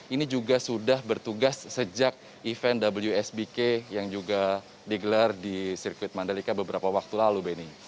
ini juga sudah bertugas sejak event wsbk yang juga digelar di sirkuit mandalika beberapa waktu lalu beni